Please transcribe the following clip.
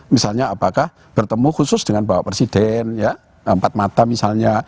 misalnya apakah bertemu khusus dengan pak mardiono ya empat mata misalnya